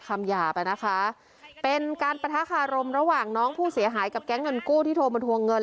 หยาบอ่ะนะคะเป็นการปะทะคารมระหว่างน้องผู้เสียหายกับแก๊งเงินกู้ที่โทรมาทวงเงิน